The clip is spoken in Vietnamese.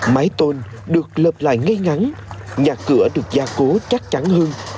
mái tôn được lợp lại ngay ngắn nhà cửa được gia cố chắc chắn hơn